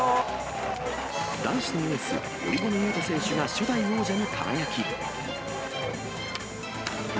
男子のエース、堀米雄斗選手が初代王者に輝き。